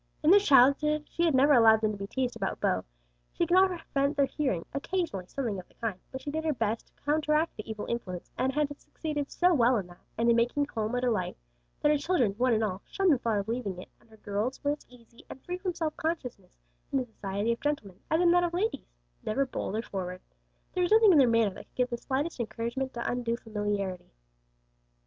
In their childhood she had never allowed them to be teased about beaux. She could not prevent their hearing, occasionally, something of the kind, but she did her best to counteract the evil influence, and had succeeded so well in that, and in making home a delight, that her children one and all, shunned the thought of leaving it, and her girls were as easy and free from self consciousness in the society of gentlemen as in that of ladies; never bold or forward; there was nothing in their manner that could give the slightest encouragement to undue familiarity.